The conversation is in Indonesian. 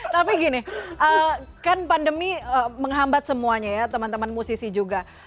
tapi gini kan pandemi menghambat semuanya ya teman teman musisi juga